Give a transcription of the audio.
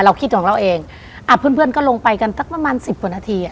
คิดของเราเองอ่ะเพื่อนเพื่อนก็ลงไปกันสักประมาณสิบกว่านาทีอ่ะ